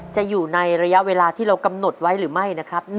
จะอยู่ในระยะเวลาที่เรากำหนดไว้หรือไม่นะครับ